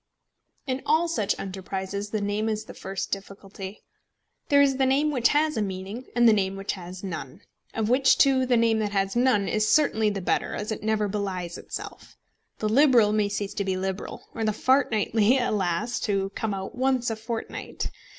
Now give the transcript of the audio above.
In all such enterprises the name is the first great difficulty. There is the name which has a meaning and the name which has none, of which two the name that has none is certainly the better, as it never belies itself. The Liberal may cease to be liberal, or The Fortnightly, alas! to come out once a fortnight.